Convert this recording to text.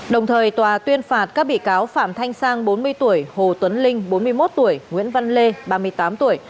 đồng thời tòa tuyên phạt các bị cáo phạm thanh sang bốn mươi tuổi hồ tuấn linh bốn mươi một tuổi nguyễn văn lê ba mươi tám tuổi